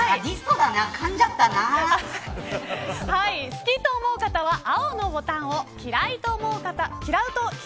好きと思う方は青のボタンを。